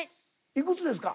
いくつですか？